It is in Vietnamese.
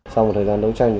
sau một thời gian đấu tranh